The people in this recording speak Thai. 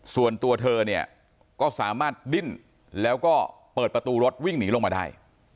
ส่วนตัวเธอเนี่ยก็สามารถดิ้นแล้วก็เปิดประตูรถวิ่งหนีลงมาได้